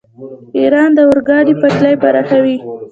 ایران د اورګاډي پټلۍ پراخوي.